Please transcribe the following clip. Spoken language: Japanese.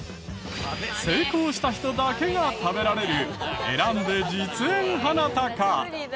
成功した人だけが食べられる選んで実演ハナタカ。